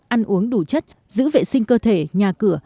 ăn uống đủ chất giữ vệ sinh cơ thể nhà cửa